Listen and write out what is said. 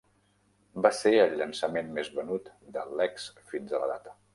Va ser el llançament més venut de Lex fins a la data.